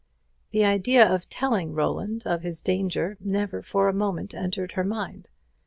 The idea of telling Roland of his danger never for a moment entered her mind.